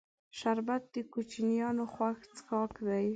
شربت د کوشنیانو خوښ څښاک دی